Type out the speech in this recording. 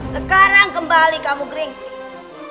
sekarang kembali kamu gringsik